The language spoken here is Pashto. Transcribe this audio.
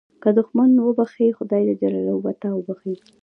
که دوښمن وبخښې، خدای جل جلاله به تا وبخښي.